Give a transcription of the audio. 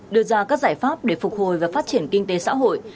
đưa ra các giải pháp để phục hồi và phát triển kinh tế xã hội